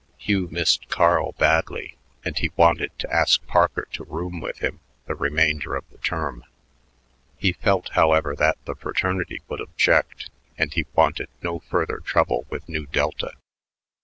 Hugh missed Carl badly, and he wanted to ask Parker to room with him the remainder of the term. He felt, however, that the fraternity would object, and he wanted no further trouble with Nu Delta.